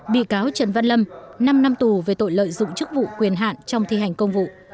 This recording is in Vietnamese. bị cáo trần văn lâm năm năm tù về tội lợi dụng chức vụ quyền hạn trong thi hành công vụ